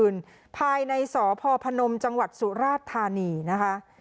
เอิ่นภายในสอพพะนมจังหวัดสุราษฎร์ทานีนะคะ